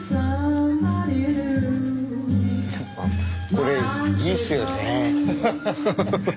これいいっすよね。